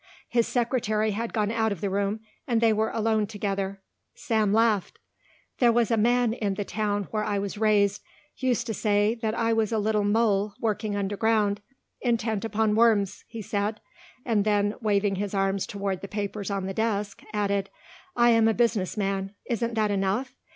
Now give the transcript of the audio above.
His secretary had gone out of the room and they were alone together. Sam laughed. "There was a man in the town where I was raised used to say that I was a little mole working underground, intent upon worms," he said, and then, waving his arms toward the papers on the desk, added, "I am a business man. Isn't that enough?